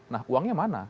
nah uangnya mana